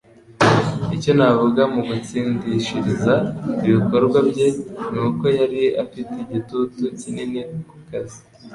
Icyo navuga mu gutsindishiriza ibikorwa bye ni uko yari afite igitutu kinini ku kazi